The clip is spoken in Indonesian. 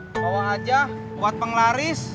bawa aja buat penglaris